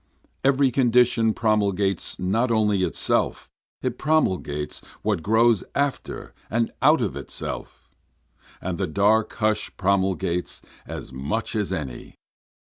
Every condition promulges not only itself, it promulges what grows after and out of itself, And the dark hush promulges as much as any.